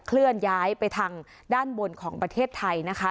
เคลื่อนย้ายไปทางด้านบนของประเทศไทยนะคะ